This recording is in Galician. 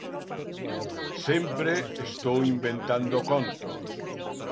Sempre estou inventando contos.